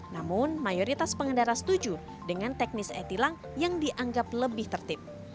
namun mayoritas pengendara setuju dengan teknis e tilang yang dianggap lebih tertib